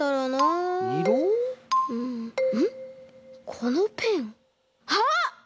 このペンあっ！